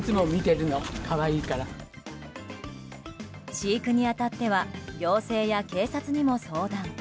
飼育に当たっては行政や警察にも相談。